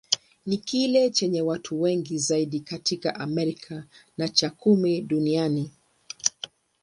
Ni kile chenye watu wengi zaidi katika Amerika, na cha kumi duniani.